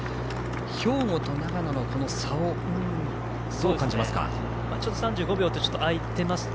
兵庫と長野の差をどう感じますか。